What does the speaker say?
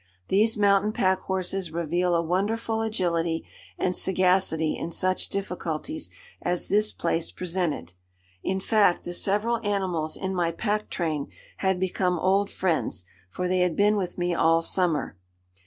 These mountain pack horses reveal a wonderful agility and sagacity in such difficulties as this place presented. In fact, the several animals in my pack train had become old friends, for they had been with me all summer.